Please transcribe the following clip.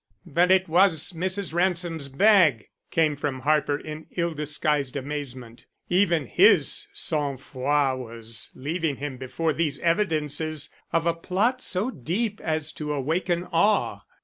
"But it was Mrs. Ransom's bag," came from Harper in ill disguised amazement. Even his sang froid was leaving him before these evidences of a plot so deep as to awaken awe.